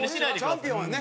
チャンピオンはね。